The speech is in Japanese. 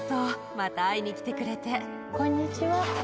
また会いに来てこんにちは。